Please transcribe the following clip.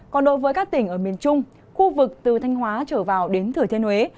còn đối với các tỉnh ở miền trung khu vực từ thanh hóa trở vào đến thừa thiên huế